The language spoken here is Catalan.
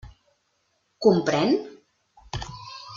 Comprèn?